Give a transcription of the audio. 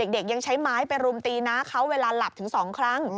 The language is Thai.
ยังใช้ไม้ไปรุมตีน้าเขาเวลาหลับถึง๒ครั้ง